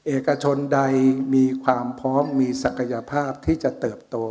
เอกชนใดมีความพร้อมมีศักยภาพที่จะเติบโต